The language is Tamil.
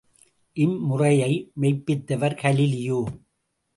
இம்முறையை மெய்ப்பித்தவர் கலிலியோ.